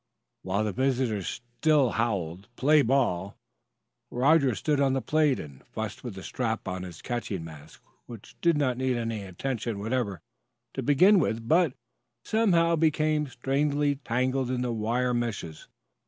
While the visitors still howled, "Play ball," Roger stood on the plate and fussed with the strap of his catching mask, which did not need any attention whatever to begin with, but somehow became strangely tangled in the wire meshes.